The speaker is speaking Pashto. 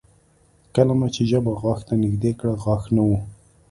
کله مې چې ژبه غاښ ته نږدې کړه غاښ نه و